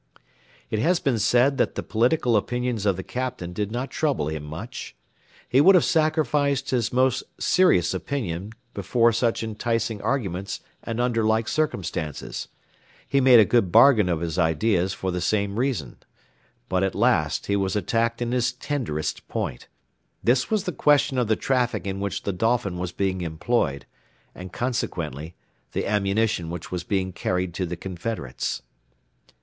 It has been said that the political opinions of the Captain did not trouble him much. He would have sacrificed his most serious opinion before such enticing arguments and under like circumstances; he made a good bargain of his ideas for the same reason, but at last he was attacked in his tenderest point; this was the question of the traffic in which the Dolphin was being employed, and, consequently, the ammunition which was being carried to the Confederates.